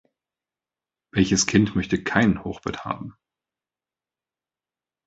Welches Kind möchte kein Hochbett haben?